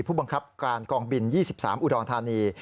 ผู้บังคับการกองบิน๒๓อุดรธานี